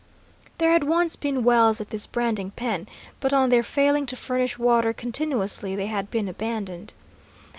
There had once been wells at this branding pen, but on their failing to furnish water continuously they had been abandoned.